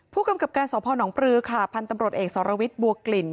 ผู้กำกับการสพนปลือค่ะพันธุ์ตำรวจเอกสรวิทย์บัวกลิ่น